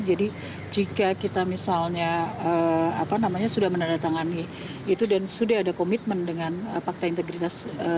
jadi jika kita misalnya sudah menandatangani itu dan sudah ada komitmen dengan pakta integritas